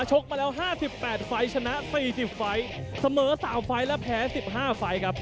ชกมาแล้ว๕๘ไฟล์ชนะ๔๐ไฟล์เสมอ๓ไฟล์และแพ้๑๕ไฟล์ครับ